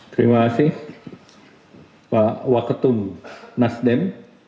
terima kasih pak waketum nasdem